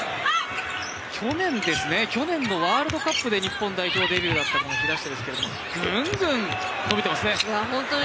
去年のワールドカップで日本代表デビューだった平下ですがぐんぐん伸びてますね。